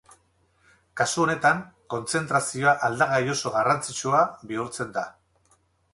Kasu hauetan, kontzentrazioa aldagai oso garrantzitsua bihurtzen da.